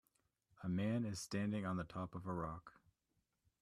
A man is standing on the top of a rock.